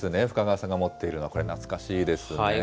深川さんが持っているのは、これ、懐かしいですね。